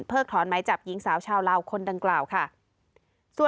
เพิ่งถอนไหมจับหญิงสาวชาวลาวคนต่างกล่าว